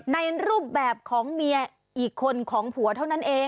ในรูปแบบของเมียอีกคนของผัวเท่านั้นเอง